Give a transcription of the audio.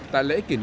tại lễ kỳ